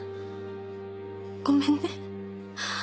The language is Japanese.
ごめんね。